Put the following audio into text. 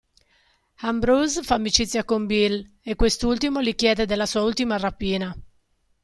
Ambrose fa amicizia con Bill, e quest'ultimo gli chiede della sua ultima rapina.